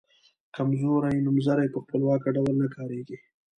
کمزوري نومځري په خپلواکه ډول نه کاریږي.